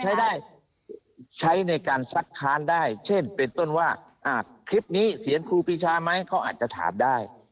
ใช้ได้ใช้ในการซักค้านได้เช่นเป็นต้นว่าคลิปนี้เสียงครูปีชาไหมเขาอาจจะถามได้